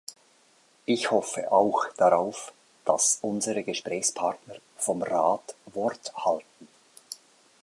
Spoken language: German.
Ich hoffe auch darauf, dass unsere Gesprächspartner vom Rat Wort halten.